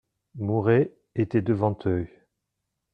Mouret était devant eux.